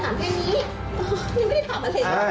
สาวเจ้าถามแค่นี้ยังไม่ได้ถามอะไรเลย